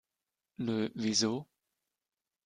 Nö, wieso?